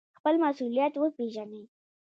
خپل مسوولیت وپیژنئ